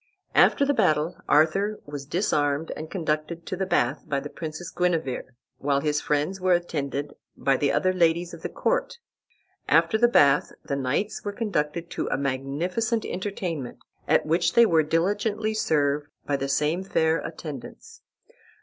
After the battle Arthur was disarmed and conducted to the bath by the princess Guenever, while his friends were attended by the other ladies of the court. After the bath the knights were conducted to a magnificent entertainment, at which they were diligently served by the same fair attendants.